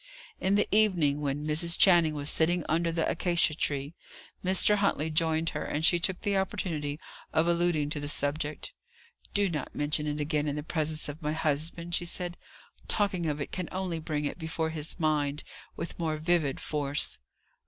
In the evening, when Mrs. Channing was sitting under the acacia trees, Mr. Huntley joined her, and she took the opportunity of alluding to the subject. "Do not mention it again in the presence of my husband," she said: "talking of it can only bring it before his mind with more vivid force.